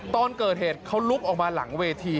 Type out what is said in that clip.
ตอนเกิดเหตุเขาลุกออกมาหลังเวที